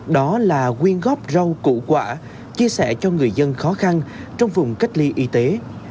đó là quyên góp rau củ quả chia sẻ cho người dân khó khăn trong vùng cách ly y tế